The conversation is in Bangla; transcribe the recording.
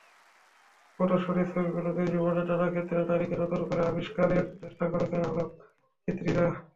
প্রদর্শনীর ছবিগুলোতে জীবনের নানা ক্ষেত্রে নারীকে নতুন করে আবিষ্কারের চেষ্টা করেছেন আলোকচিত্রীরা।